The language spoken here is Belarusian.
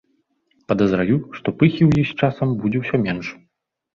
Падазраю, што пыхі ў іх з часам будзе ўсё менш.